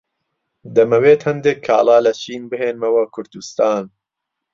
دەمەوێت هەندێک کاڵا لە چین بهێنمەوە کوردستان.